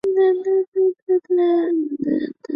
阿南人口变化图示